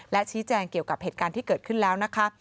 และชี้แจงเกี่ยวกับเหตุการณ์ที่เกิดขึ้นแล้วนะคะ